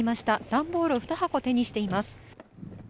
段ボールを２箱手にしています。